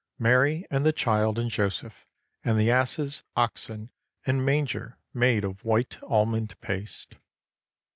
Mary and the Child and Joseph and the asses, oxen, and manger made of white almond paste.